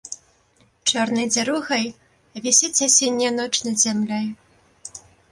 Чорнай дзяругай вісіць асенняя ноч над зямлёй.